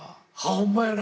ほんまやな！